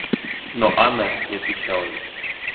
Но Анна не отвечала ей.